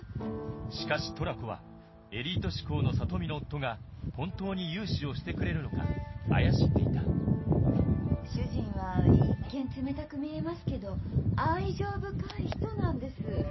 しかしトラコはエリート志向の里美の夫が本当に融資をしてくれるのか怪しんでいた主人は一見冷たく見えますけど愛情深い人なんです。